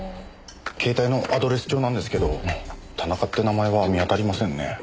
携帯のアドレス帳なんですけど田中って名前は見当たりませんね。